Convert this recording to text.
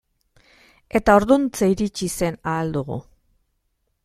Eta orduantxe iritsi zen Ahal Dugu.